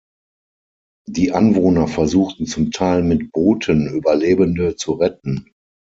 Die Anwohner versuchten zum Teil mit Booten, Überlebende zu retten.